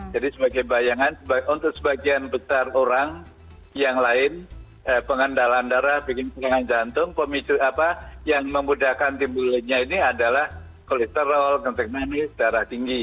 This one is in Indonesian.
jadi sebagai bayangan untuk sebagian besar orang yang lain pengentalan darah pengentalan jantung pemicu apa yang memudahkan timbulannya ini adalah kolesterol kontek nanis darah tinggi